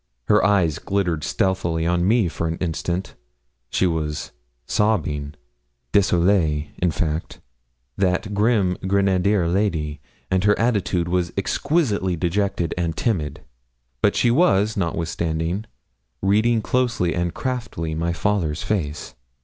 Her eyes glittered stealthily on me for an instant: she was sobbing désolée, in fact that grim grenadier lady, and her attitude was exquisitely dejected and timid. But she was, notwithstanding, reading closely and craftily my father's face.